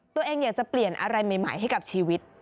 ตัวเองอยากจะเปลี่ยนอะไรใหม่ให้กับชีวิต